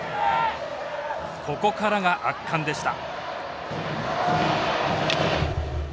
ここからが圧巻でした。